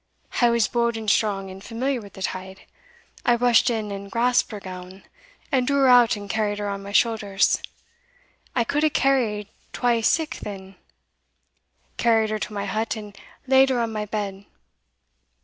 I was bold and strong, and familiar with the tide. I rushed in and grasped her gown, and drew her out and carried her on my shouthers I could hae carried twa sic then carried her to my hut, and laid her on my bed.